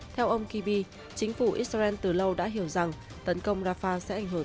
theo ông kibi chính phủ israel từ lâu đã hiểu rằng tấn công rafah sẽ ảnh hưởng